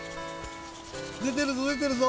でてるぞでてるぞ！